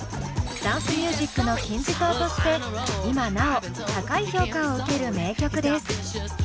ダンスミュージックの金字塔として今なお高い評価を受ける名曲です。